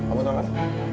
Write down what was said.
kamu tahu kan